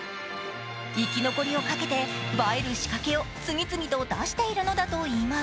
生き残りをかけて映える仕掛けを次々と出しているのだといいます。